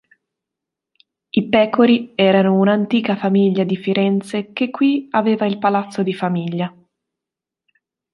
I Pecori erano un'antica famiglia di Firenze che qui aveva il palazzo di famiglia.